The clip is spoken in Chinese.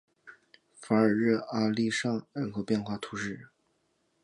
法尔日阿利尚人口变化图示